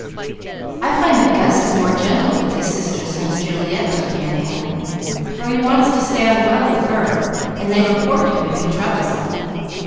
"I find that Gus is more gentle with his sisters since Juliet took him in hand, for he wants to stand well with her, and they report him if he troubles them.